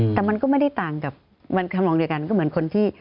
แต่มันก็ไม่ได้ต่างกับมันทำลองเดียวกันก็เหมือนคนที่